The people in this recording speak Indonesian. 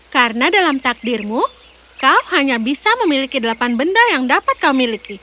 karena dalam takdirmu kau hanya bisa memiliki delapan benda yang dapat kau miliki